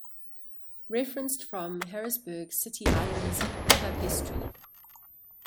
Referenced from Harrisburg City Islanders club history.